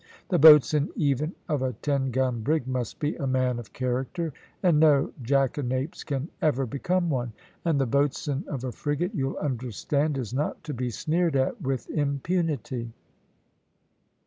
The boatswain even of a ten gun brig must be a man of character, and no jackanapes can ever become one; and the boatswain of a frigate, you'll understand, is not to be sneered at with impunity."